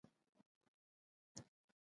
دوی سیاست د اجتماعي مسایلو تابع ګڼي.